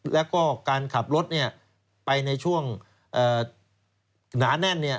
แล้วก็การขับรถไปในช่วงหนาแน่น